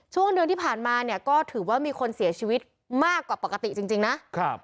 ช่วงเดือนที่ผ่านมาเนี่ยก็ถือว่ามีคนเสียชีวิตมากกว่าปกติจริงนะครับ